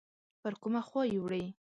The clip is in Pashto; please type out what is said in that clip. پر کومه خوا یې وړي؟